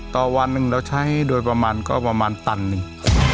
ต่อวันหนึ่งเราใช้โดยประมาณก็ประมาณตันหนึ่ง